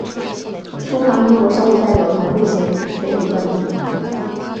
中华民国商务代表团目前也已关闭。